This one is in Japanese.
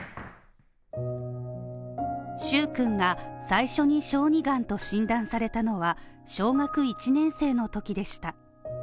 蹴君が最初に小児がんと診断されたのは小学１年生のときでした。